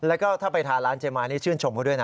แล้วก็ถ้าไปทานร้านเจมานี่ชื่นชมเขาด้วยนะ